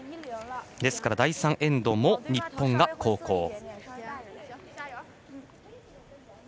ですから第３エンドも日本が後攻。